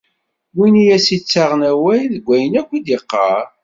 Win i as-ittaɣen awal deg wayen akk i d-iqqar!